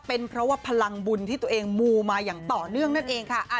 เป็นเพราะว่าพลังบุญที่ตัวเองมูมาอย่างต่อเนื่องนั่นเองค่ะ